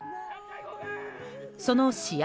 その試合